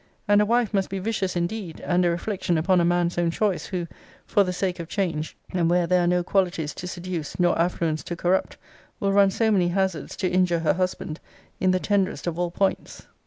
And a wife must be vicious indeed, and a reflection upon a man's own choice, who, for the sake of change, and where there are no qualities to seduce, nor affluence to corrupt, will run so many hazards to injure her husband in the tenderest of all points.